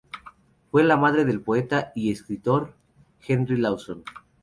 Fue la madre del poeta y escritor Henry Lawson.